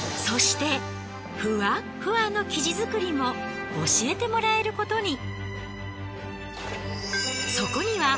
そしてふわっふわの生地作りも教えてもらえることに！